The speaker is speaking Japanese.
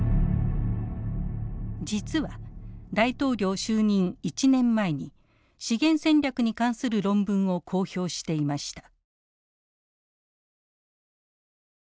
実は大統領就任１年前に資源戦略に関する論文を公表していました。